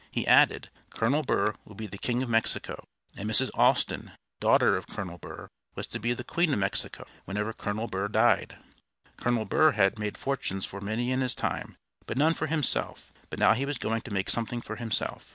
He added, "Colonel Burr would be the King of Mexico, and Mrs. Alston, daughter of Colonel Burr, was to be Queen of Mexico, whenever Colonel Burr died.... Colonel Burr had made fortunes for many in his time, but none for himself; but now he was going to make something for himself.